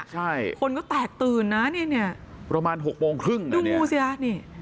ใช่คนก็แตกตื่นน่ะนี่เนี่ยประมาณหกโมงครึ่งเนี่ยดึงงูสิล่ะนี่